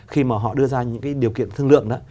khi mà họ đưa ra những cái điều kiện thương lượng đó